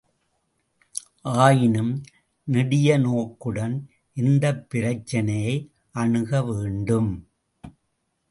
ஆயினும் நெடிய நோக்குடன் இந்தப் பிரச்சினையை அணுகவேண்டும்.